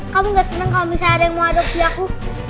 kamu gak senang kalau misalnya ada yang mau adopsi aku